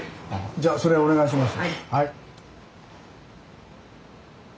じゃあそれをお願いします。